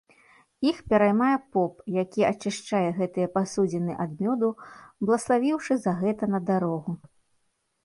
Іх пераймае поп, які ачышчае гэтыя пасудзіны ад мёду, блаславіўшы за гэта на дарогу.